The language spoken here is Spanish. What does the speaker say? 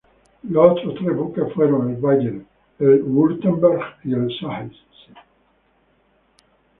Los otros tres buques fueron el "Bayern", el "Württemberg" y el "Sachsen".